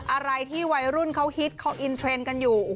อะไรที่วัยรุ่นเขาฮิตเขาอินเทรนด์กันอยู่